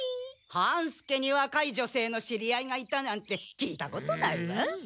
半助に若い女性の知り合いがいたなんて聞いたことないわ。